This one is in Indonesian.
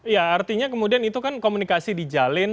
ya artinya kemudian itu kan komunikasi dijalin